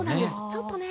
ちょっとね。